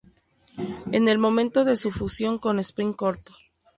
En el momento de su fusión con Sprint Corp.